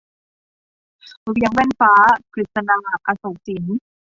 เวียงแว่นฟ้า - กฤษณา อโศกสิน